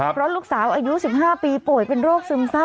เพราะลูกสาวอายุ๑๕ปีป่วยเป็นโรคซึมเศร้า